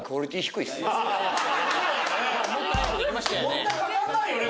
こんなかかんないよね